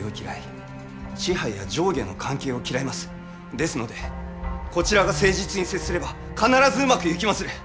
ですのでこちらが誠実に接すれば必ずうまくいきまする。